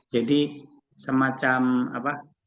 jadi semacam kayak aset alternatif untuk melindungi lah